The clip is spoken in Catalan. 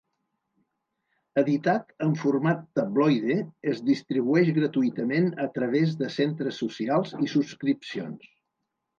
Editat en format tabloide, es distribueix gratuïtament a través de centres socials i subscripcions.